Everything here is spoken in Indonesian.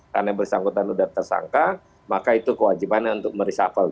karena bersangkutan sudah tersangka maka itu kewajibannya untuk meresafel